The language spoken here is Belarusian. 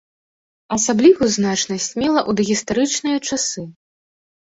Асаблівую значнасць мела ў дагістарычныя часы.